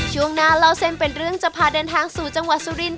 ช่วงหน้าเล่าเส้นเป็นเรื่องจะพาเดินทางสู่จังหวัดสุรินท